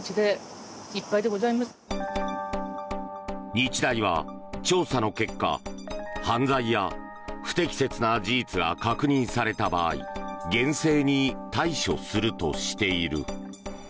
日大は調査の結果犯罪や不適切な事実が確認された場合厳正に対処するとしている。